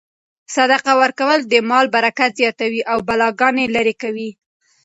صدقه ورکول د مال برکت زیاتوي او بلاګانې لیرې کوي.